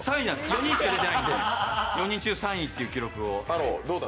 ４人しか出てないんで４人中３位という記録を。